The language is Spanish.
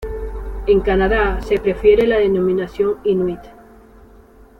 En Canadá se prefiere la denominación "inuit".